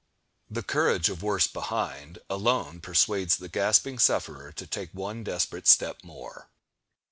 The "courage of worse behind" alone persuades the gasping sufferer to take one desperate step more.